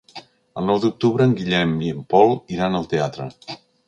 El nou d'octubre en Guillem i en Pol iran al teatre.